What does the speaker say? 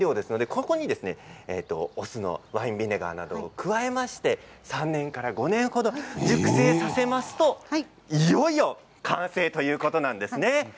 ここにお酢のワインビネガーなどを加えまして３年から５年程熟成させますといよいよ完成ということなんです。